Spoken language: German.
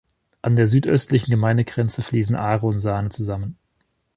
An der südöstlichen Gemeindegrenze fliessen Aare und Saane zusammen.